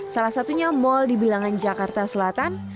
salah satunya mal di bilangan jakarta selatan